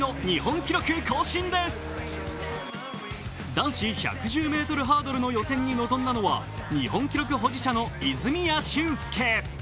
男子１１０ｍハードルの予選に臨んだのは日本記録保持者の泉谷駿介。